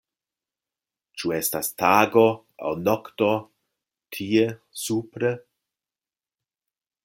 Ĉu estas tago aŭ nokto, tie, supre?